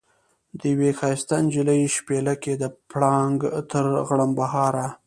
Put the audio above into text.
د یوې ښایستې نجلۍ شپېلکی د پړانګ تر غړمبهاره.